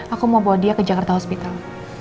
aku mau bawa dia ke jakarta hospital